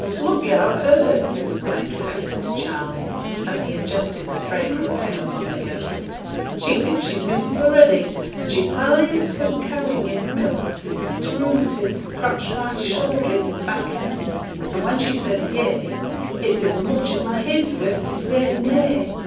'Look yo' at her!' exclaimed Kester to Charley, as he adjusted the fragrant pails on the yoke. 'She thinks she's missus a ready, and she's allays for carrying in t' milk since t' rhumatiz cotched my shouther i' t' back end; and when she says "Yea," it's as much as my heed's worth to say "Nay."'